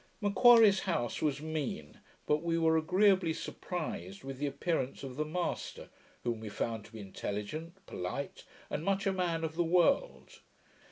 M'Quarrie's house was mean; but we were agreeably surprised with the appearance of the master, whom we found to be intelligent, polite, and much a man of the world.